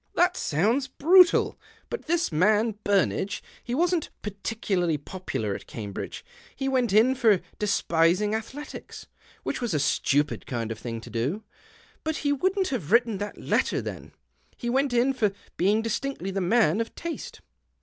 "That sounds brutal. But this man 126 THE OCTAVE OF CLAUDIUS. Burnage, he wasn't particularly popular at Cambridge ; lie went in for despising athletics, which was a stupid kind of thing to do. ■ But he wouldn't have written that letter then. He went in for being distinctly the man of taste."